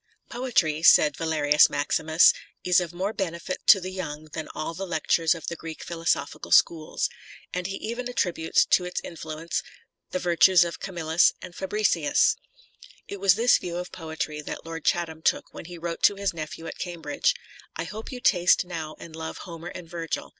" Poetry," said Valerius Maximus, " is of more benefit to the young than all the lectures of the Greek Philosophical Schools." And he even attributes to its influence the virtues of Camillus * Dedication prefixed to " Volpone, or the Fox," TENNYSON 245 and Fabricius. It was this view of poetry that Lord Chatham took when he wrote to his nephew at Cambridge :" I hope you taste now and love Homer and Virgil.